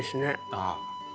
ああ。